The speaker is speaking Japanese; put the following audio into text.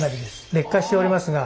劣化しておりますが。